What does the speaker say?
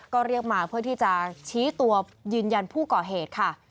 ก็เรียกมาเพื่อที่จะชี้ตัวยืนยันผู้ก่อเหตุค่ะ